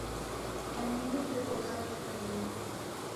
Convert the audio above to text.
W'anyinyu w'eko hao itanaha?